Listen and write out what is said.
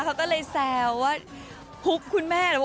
เขาก็เลยแซวว่าฮุกคุณแม่